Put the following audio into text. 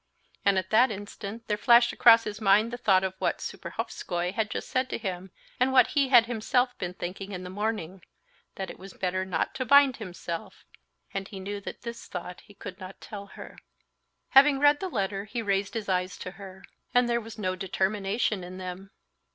And at that instant there flashed across his mind the thought of what Serpuhovskoy had just said to him, and what he had himself been thinking in the morning—that it was better not to bind himself—and he knew that this thought he could not tell her. Having read the letter, he raised his eyes to her, and there was no determination in them.